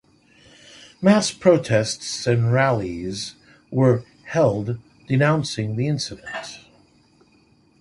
Mass protests and rallies were held denouncing the incident.